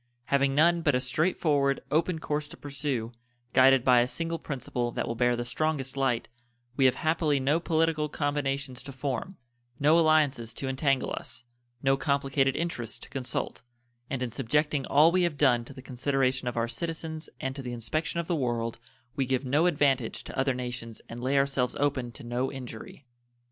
Having none but a straight forward, open course to pursue, guided by a single principle that will bear the strongest light, we have happily no political combinations to form, no alliances to entangle us, no complicated interests to consult, and in subjecting all we have done to the consideration of our citizens and to the inspection of the world we give no advantage to other nations and lay ourselves open to no injury.